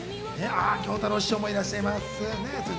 喬太郎師匠もいらっしゃいます。